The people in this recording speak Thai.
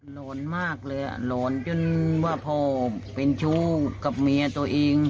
หลอนมากเลยหลอนจนว่าพ่อเป็นชู้กับเมียตัวเอง